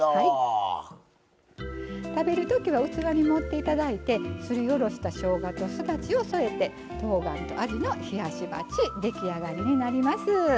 食べるときは器に盛っていただいてすりおろしたしょうがとすだちを添えてとうがんとあじの冷やし鉢出来上がりになります。